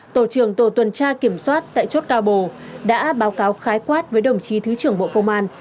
tổ trưởng tổ tuần tra kiểm soát tại chốt cao bồ đã báo cáo khái quát với đồng chí thứ trưởng bộ công an